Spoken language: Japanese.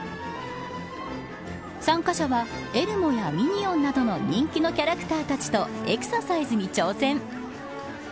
参加者はエルモやミニオンなどの人気のキャラクターたちとエクササイズに挑戦。